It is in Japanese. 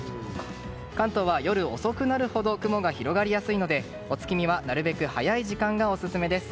関東は、夜遅くなるほど雲が広がりやすいのでお月見はなるべく早い時間がオススメです。